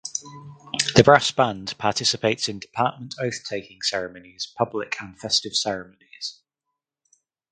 The brass band participates in department oath taking ceremonies public and festive ceremonies.